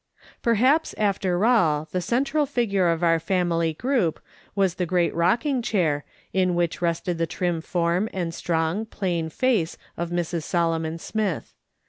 Perhaps, after all, the central figure of our family group was the great rocking chair, in which rested the trim form and strong, plain face of Mrs. Solomon Smith.